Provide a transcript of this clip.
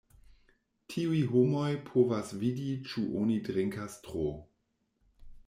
Tiuj homoj povas vidi ĉu oni drinkas tro.